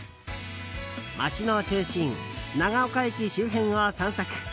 街の中心、長岡駅周辺を散策。